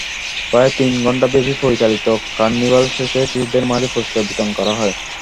প্রায় তিন ঘণ্টাব্যাপী পরিচালিত কার্নিভাল শেষে শিশুদের মাঝে পুরস্কার বিতরণ করা হয়।